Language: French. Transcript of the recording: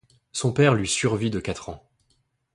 Son père lui survit de quatre ans.